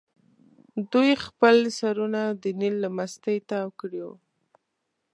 دوی خپل سرونه د نیل له مستۍ تاو کړي دي.